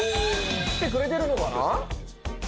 来てくれてるのかな？